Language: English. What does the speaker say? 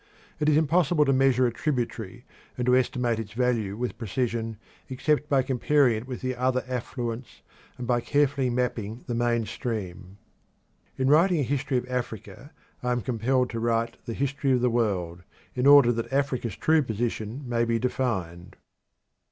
It is impossible to measure a tributary and to estimate its value with precision except by comparing it with the other affluents, and by carefully mapping the main stream. In writing a history of Africa I am compelled to write the history of the world, in order that Africa's true position may be defined.